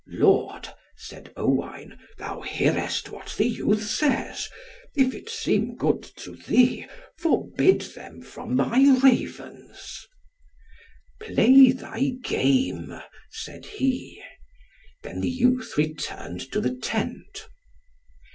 "Lord," said Owain, "thou hearest what the youth says; if it seem good to thee, forbid them from my Ravens." "Play thy game," said he. Then the youth returned to the tent.